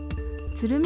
鶴見